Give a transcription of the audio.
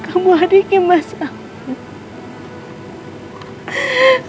sama hal itu udah baju lagi